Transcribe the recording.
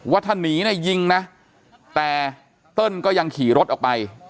ว่าถ้าหนีเนี่ยยิงนะแต่เติ้ลก็ยังขี่รถออกไป